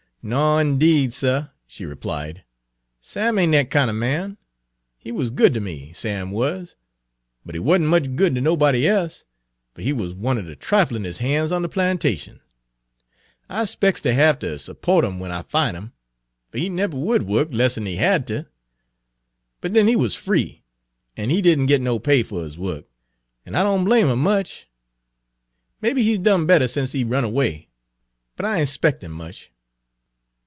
"No, indeed, suh," she replied, "Sam ain' dat kin' er man. He wuz good ter me, Sam wuz, but he wuz n' much good ter nobody e'se, fer he wuz one er de triflin'es' han's on de plantation. I 'spec's ter haf ter suppo't 'im w'en I fin' 'im, fer he nebber would work 'less'n he had ter. But den he wuz free, an' he did n' git no pay fer his work, an' I don' blame 'im much. Mebbe he's done better sence he run erway, but I ain' 'spectin' much."